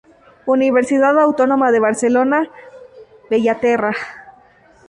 Universidad Autónoma de Barcelona, Bellaterra.